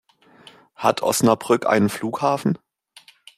Hat Osnabrück einen Flughafen?